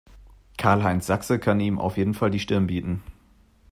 Karl-Heinz Sachse kann ihm auf jeden Fall die Stirn bieten.